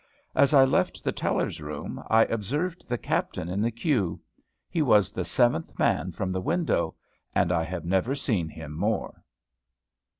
As I left the teller's room, I observed the captain in the queue. He was the seventh man from the window, and I have never seen him more.